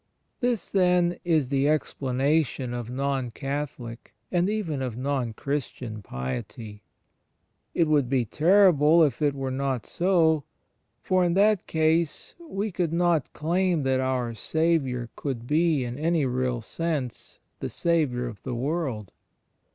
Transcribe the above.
This, then, is the explanation of Non Catholic, and even of Non Christian, piety. It would be terrible if it * John i : 9. 45 46 TEE FRIENDSHIP OF CHRIST were not so; for in that case we could not claim that our Saviour could be, in any real sense, the Saviour of the world.